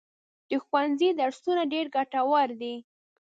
د ښوونځي درسونه ډېر ګټور دي.